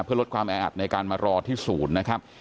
เพื่อลดความแออัดในการมารอที่ศูนย์นะครับ